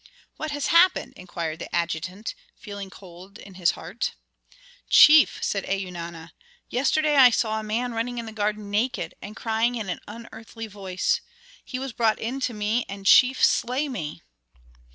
"What has happened?" inquired the adjutant, feeling cold in his heart. "Chief," said Eunana, "yesterday I saw a man running in the garden naked, and crying in an unearthly voice. He was brought in to me, and, chief slay me!"